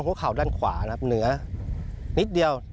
เข่าด้านขวานะครับเหนือนิดเดียว